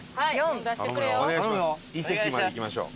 井関まで行きましょう。